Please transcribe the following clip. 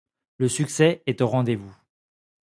Le succès est au rendez-vous.